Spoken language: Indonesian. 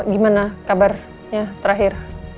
gimana kabarnya terakhir